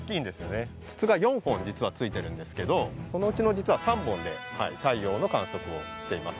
筒が４本実はついてるんですけどそのうちの実は３本で太陽の観測をしています。